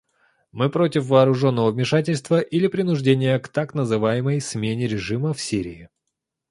Мы против вооруженного вмешательства или принуждения к так называемой смене режима в Сирии.